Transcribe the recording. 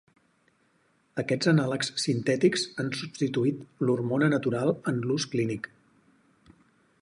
Aquests anàlegs sintètics han substituït l'hormona natural en l'ús clínic.